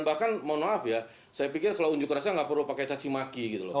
bahkan mohon maaf ya saya pikir kalau unjuk rasa nggak perlu pakai cacimaki gitu loh